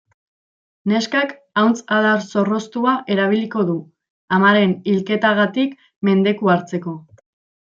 Neskak ahuntz adar zorroztua erabiliko du, amaren hilketagatik mendeku hartzeko.